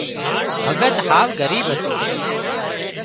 ڀڳت هاوَ ڳريٻ هتو